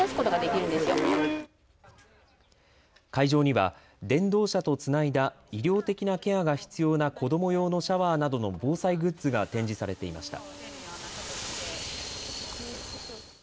会場には電動車とつないだ医療的なケアが必要な子ども用のシャワーなどの防災グッズが展示されていました。